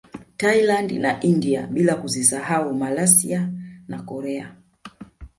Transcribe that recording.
Thailand na India bila kuzisahau Malaysia na Korea